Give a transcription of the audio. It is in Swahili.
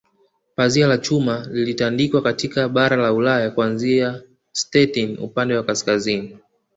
Pazia la Chuma lilitandikwa katika bara la Ulaya kuanzia Stettin upande wa kaskazini